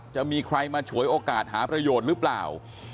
จะมีใครมาฉวยโอกาสหาประโยชน์หรือเปล่า